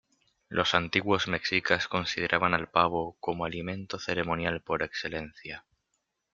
Los antiguos mexicas consideraban al pavo como alimento ceremonial por excelencia.